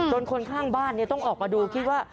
คนข้างบ้านต้องออกมาดูคิดว่า